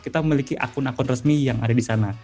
kita memiliki akun akun resmi yang ada di sana